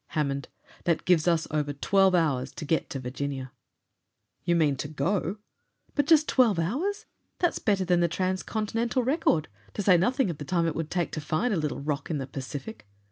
"Hammond, that gives us over twelve hours to get to Virginia!" "You mean to go? But just twelve hours! That's better than the transcontinental record to say nothing of the time it would take to find a little rock in the Pacific!"